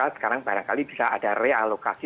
sekarang barangkali bisa ada realokasi